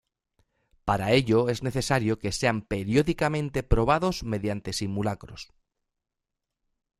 Para ello es necesario que sean periódicamente probados mediante simulacros.